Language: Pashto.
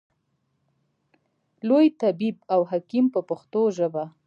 لوی طبیب او حکیم و په پښتو ژبه.